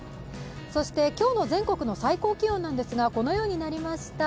今日の全国の最高気温なんですがこのようになりました。